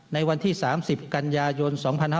ในวันที่๓๐กันยายน๒๕๕๙